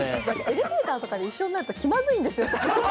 エレベーターとかで一緒になると気まずいんですよね。